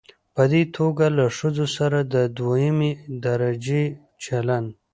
په دې توګه له ښځو سره د دويمې درجې چلن